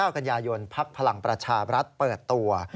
๙กันยายนภักดิ์พลังประชาบรัฐเปิดตัว